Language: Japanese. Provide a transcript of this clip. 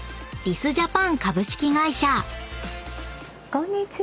こんにちは。